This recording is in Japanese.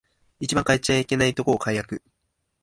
一番変えちゃいけないとこを改悪